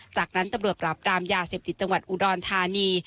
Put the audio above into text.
จากนั้นตำรวจปราบรามยาเสพติดจังหวัดอุดรธานี